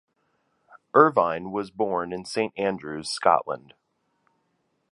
Irvine was born in Saint Andrews, Scotland.